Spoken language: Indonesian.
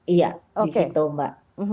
iya disitu mbak